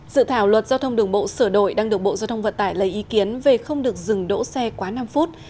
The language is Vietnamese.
dự thảo luật giao thông đường bộ sửa đổi đang được bộ giao thông vận tải lấy ý kiến về không được dừng đỗ xe quá năm phút